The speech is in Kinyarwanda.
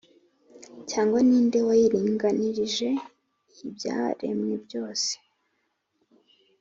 cyangwa ni nde wayiringanirije ibyaremwe byose’